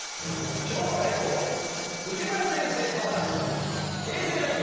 昭和代表内村先生ｖｓ平成代表